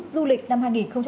du lịch năm hai nghìn hai mươi